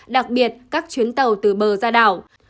đặc biệt các chuyến tàu từ bờ ra đảo